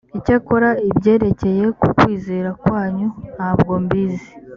icyakora ibyerekeye ku kwizera kwanyu ntabwo mbizi